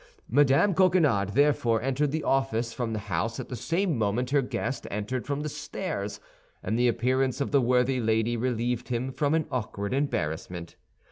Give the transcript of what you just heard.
Mme. Coquenard therefore entered the office from the house at the same moment her guest entered from the stairs, and the appearance of the worthy lady relieved him from an awkward embarrassment.